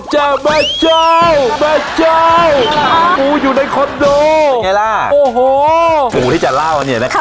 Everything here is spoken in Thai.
เจอแม่เจ้าแม่เจ้าปูอยู่ในคอนโดยังไงล่ะโอ้โหปูที่จะเล่าอันนี้นะครับ